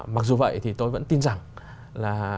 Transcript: mặc dù vậy thì tôi vẫn tin rằng là